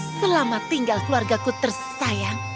selama tinggal keluarga ku tersayang